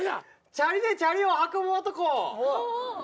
チャリでチャリを運ぶ男。